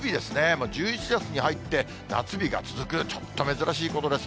もう１１月に入って夏日が続く、ちょっと珍しいことです。